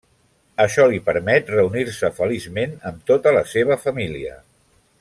Això li permet reunir-se feliçment amb tota la seva família.